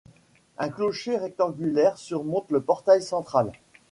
Un clocher rectangulaire surmonte le portail central.